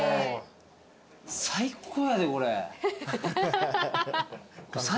最高やでこれ。